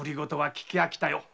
聞き飽きた。